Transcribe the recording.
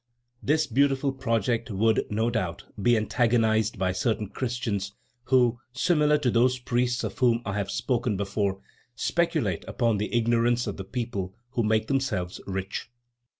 this beautiful project would, no doubt, be antagonized by certain Christians who, similar to those priests of whom I have spoken before, speculate upon the ignorance of the people to make themselves rich.